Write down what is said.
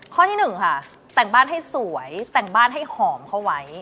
ข้อที่๑ค่ะแต่งบ้านให้สวยแต่งบ้านให้หอมเข้าไว้